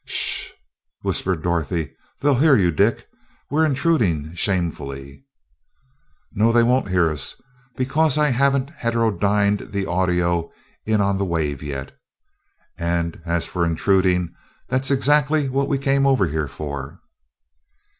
"Sh sh," whispered Dorothy, "they'll hear you, Dick we're intruding shamefully." "No, they won't hear us, because I haven't heterodyned the audio in on the wave yet. And as for intruding, that's exactly what we came over here for."